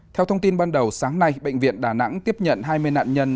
theo thông tin ban đầu sáng nay bệnh viện đà nẵng tiếp nhận hai mươi nạn nhân